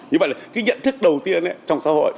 như vậy là cái nhận thức đầu tiên trong xã hội